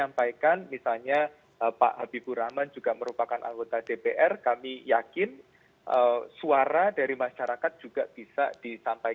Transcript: mbak habibur rahman jadi begini